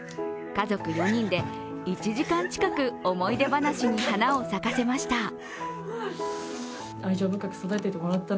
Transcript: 家族４人で、１時間近く思い出話に花を咲かせました。